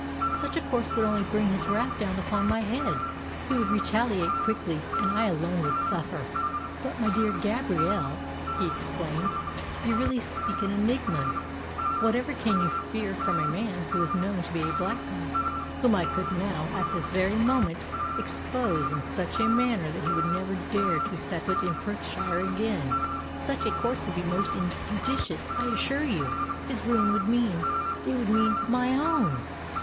"Such a course would only bring his wrath down upon my head. He would retaliate quickly, and I alone would suffer." "But, my dear Gabrielle," he exclaimed, "you really speak in enigmas. Whatever can you fear from a man who is known to be a blackguard whom I could now, at this very moment, expose in such a manner that he would never dare to set foot in Perthshire again?" "Such a course would be most injudicious, I assure you. His ruin would mean it would mean my own!"